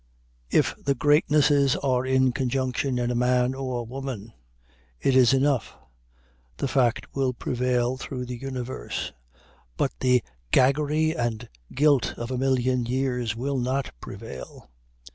If the greatnesses are in conjunction in a man or woman, it is enough the fact will prevail through the universe; but the gaggery and gilt of a million years will not prevail.